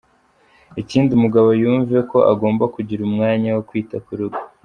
Ikindi umugabo yumve ko agomba kugira umwanya wo kwita ku rugo.